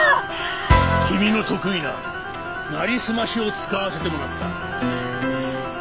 君の得意ななりすましを使わせてもらった。